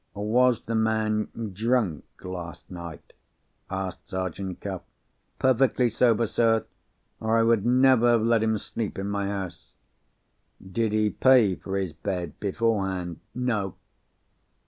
"Was the man drunk last night?" asked Sergeant Cuff. "Perfectly sober, sir—or I would never have let him sleep in my house." "Did he pay for his bed beforehand?" "No."